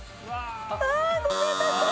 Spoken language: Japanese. ああごめんなさい。